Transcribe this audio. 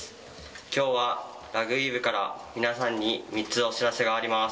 きょうはラグビー部から皆さんに３つお知らせがあります。